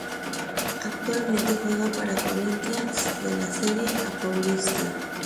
Actualmente juega para Corinthians de la Serie a Paulista.